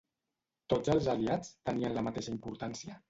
Tots els aliats tenien la mateixa importància?